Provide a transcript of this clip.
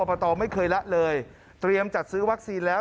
ประตอไม่เคยละเลยเตรียมจัดซื้อวัคซีนแล้ว